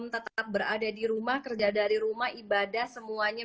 tetap berada di rumah kerja dari rumah ibadah semuanya